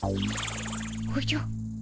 おじゃ。